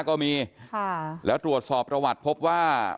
ก็มีค่ะแล้วตรวจสอบประวัติพบว่า